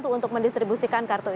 juga becomes siapa itu